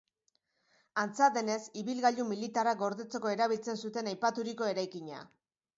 Antza denez, ibilgailu militarrak gordetzeko erabiltzen zuten aipaturiko eraikina.